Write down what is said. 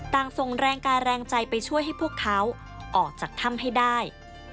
ส่งแรงกายแรงใจไปช่วยให้พวกเขาออกจากถ้ำให้ได้